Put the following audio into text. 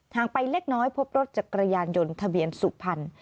งไปเล็กน้อยพบรถจักรยานยนต์ทะเบียนสุพรรณ